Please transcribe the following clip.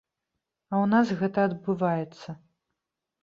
А ў нас гэта адбываецца.